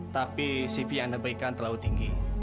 tapi cv yang anda berikan terlalu tinggi